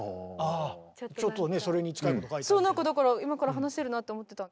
だから今から話せるなって思ってた。